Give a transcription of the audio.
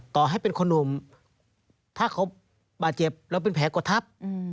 ต่อให้เป็นคนหนุ่มถ้าเขาบาดเจ็บแล้วเป็นแผลกดทับ